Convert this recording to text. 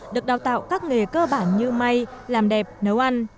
được đào tạo các nghề cơ bản như may làm đẹp nấu ăn